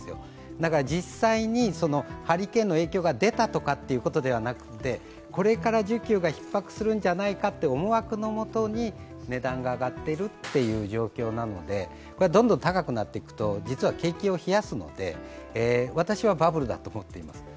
だから実際にハリケーンの影響が出たとかということではなくて、これから需給がひっ迫するんじゃないかという思惑のもとに値段が上がっているという状況なのでどんどん高くなっていくと実は景気を冷やすので私はバブルだと思っています。